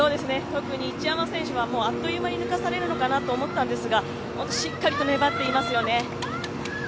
特に一山選手はあっという間に抜かされるのかなと思ったんですがしっかりと粘っていますよね。